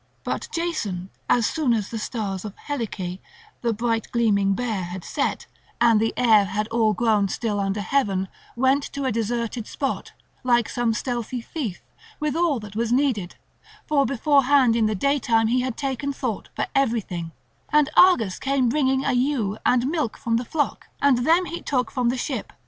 But Jason, as soon as the stars of Heliee, the bright gleaming bear, had set, and the air had all grown still under heaven, went to a desert spot, like some stealthy thief, with all that was needful; for beforehand in the daytime had he taken thought for everything; and Argus came bringing a ewe and milk from the flock; and them he took from the ship.